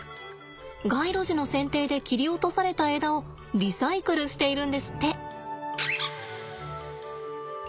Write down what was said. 街路樹の剪定で切り落とされた枝をリサイクルしているんですって。